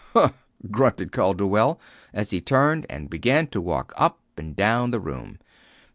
"Humph!" grunted Calderwell, as he turned and began to walk up and down the room.